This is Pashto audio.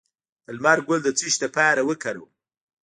د لمر ګل د څه لپاره وکاروم؟